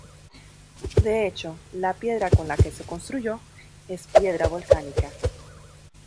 De hecho, la piedra con la que se construyó, es piedra volcánica.